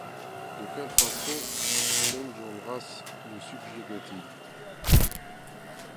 De quelle façon Enjolras le subjuguait-il?